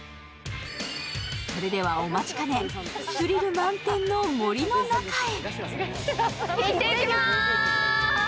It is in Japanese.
それではお待ちかねスリル満点の森の中へ。